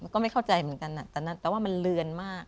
ก็ไม่เข้าใจเหมือนกันแต่ว่ามันเลือนมาก